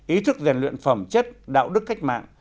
ý thức rèn luyện phẩm chất đạo đức cách mạng